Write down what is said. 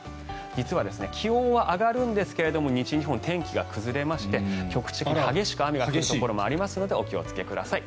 実は気温は上がるんですが西日本、天気が崩れまして局地的に激しく雨の降るところがありますのでお気をつけください。